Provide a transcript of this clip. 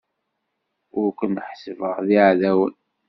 Ur ken-ḥessbeɣ d iɛdawen.